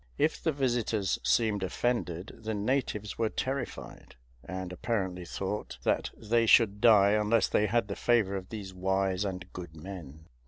If the visitors seemed offended, the natives were terrified, and apparently thought that they should die unless they had the favor of these wise and good men.